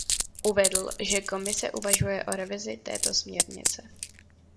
Uvedl, že Komise uvažuje o revizi této směrnice.